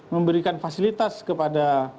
memberikan fasilitas kepada